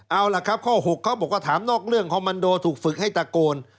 เอาล่ะครับข้อ๖เขาบอกว่าถามนอกเรื่องคอมมันโดถูกฝึกให้ตะโกน